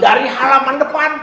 dari halaman depan